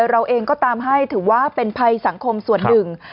เราเองก็ตามให้ถือว่าเป็นภัยสังคมส่วนหนึ่ง